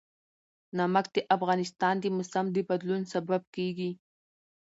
نمک د افغانستان د موسم د بدلون سبب کېږي.